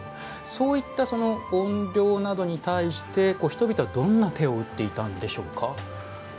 そういった怨霊などに対して人々はどんな手を打っていたんでしょうか？